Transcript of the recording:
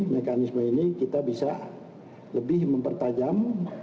mekanisme ini kita bisa lebih mempertajam